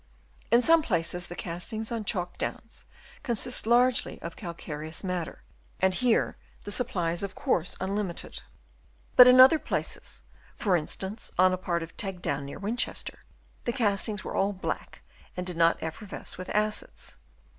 In some places, the castings on Chalk Downs consist largely of calcareous matter, and here the supply is of course unlimited. But in other places, for instance on a part of Teg Down near Winchester, the castings were all black and did not effervesce with acids.